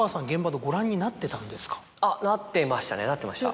あっなってましたねなってました。